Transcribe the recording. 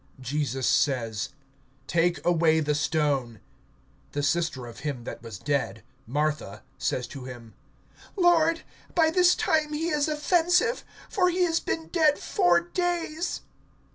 (39)Jesus says: Take away the stone. The sister of him that was dead, Martha, says to him: Lord, by this time he is offensive; for he has been dead four days.